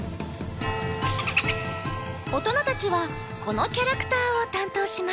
大人たちはこのキャラクターを担当します。